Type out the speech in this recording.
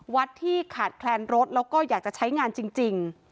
ที่ขาดแคลนรถแล้วก็อยากจะใช้งานจริง